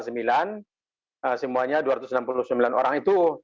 semuanya dua ratus enam puluh sembilan orang itu